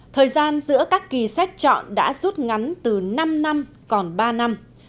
thời gian giữa các kỳ sách chọn đã rút ngắn từ năm năm còn ba năm